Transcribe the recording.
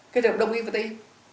kết hợp đồng ý với tây y